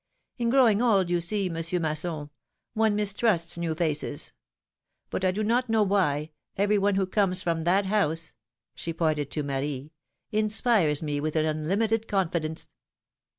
In growing old, you see. Monsieur Masson, one mistrusts new faces; but, I do not know why, every one who comes from that house — she pointed to Marie — inspires me with an unlimited confidence.